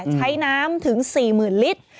ใช้น้ำถึง๔๐๐๐ลิตร